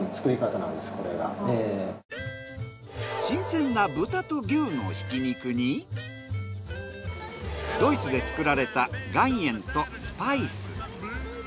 新鮮な豚と牛のひき肉にドイツで作られた岩塩とスパイス。